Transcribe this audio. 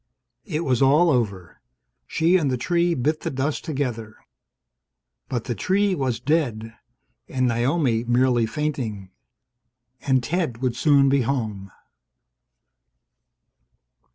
It was all over. She and the tree bit the dust together. But the tree was dead, and Naomi merely fainting, and Ted would soon be home